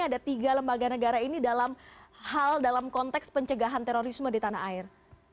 ada tiga lembaga negara ini dalam hal dalam konteks pencegahan terorisme di tanah air